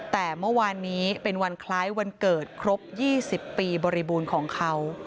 แต่เมื่อวานนี้เป็นวันคล้ายวันเกิดครบ๒๐ปีบริบูรณ์ของเขา